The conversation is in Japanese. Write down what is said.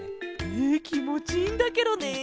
えきもちいいんだケロね。